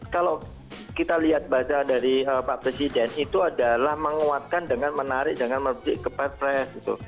kalau kita lihat bahasa dari pak presiden itu adalah menguatkan dengan menarik dengan merujuk ke perpres